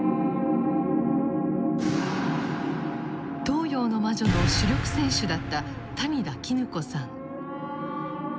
東洋の魔女の主力選手だった谷田絹子さん。